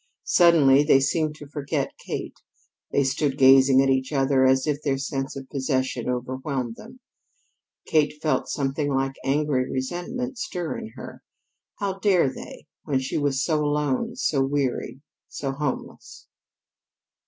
Suddenly, they seemed to forget Kate. They stood gazing at each other as if their sense of possession overwhelmed them. Kate felt something like angry resentment stir in her. How dared they, when she was so alone, so weary, so homeless?